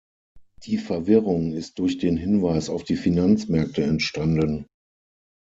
Die Verwirrung ist durch den Hinweis auf die Finanzmärkte entstanden.